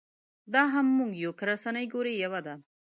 دا هم موږ یو که رسنۍ ګورې یوه ده.